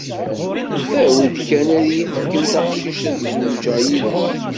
Awi-d kan ad yi-tefkem taqcict, ad zewǧeɣ yid-s.